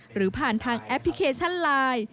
หรือผ่านทางแอปพลิเคชันไลน์